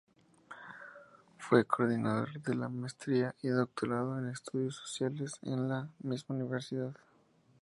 Fue coordinador de la maestría y doctorado en Estudios Sociales en la misma universidad.